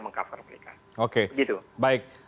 meng cover mereka oke begitu baik